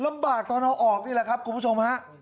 ลำบากตอนตัวออกนี่แหละครับคุณผู้ชมฮะ